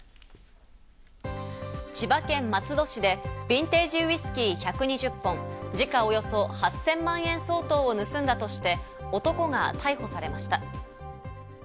千葉県松戸市でビンテージウイスキー１２０本、時価およそ８０００万円相当を盗んだとして、男が逮捕されました。